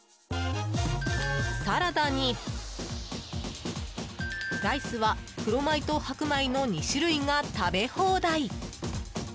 サラダに、ライスは黒米と白米の２種類が食べ放題！